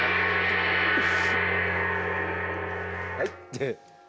はい。